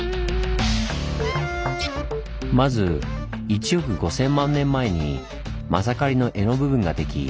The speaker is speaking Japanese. まず１億５，０００万年前にまさかりの柄の部分が出来